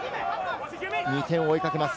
２点を追いかけます。